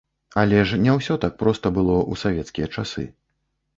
Але ж не ўсё так проста было ў савецкія часы.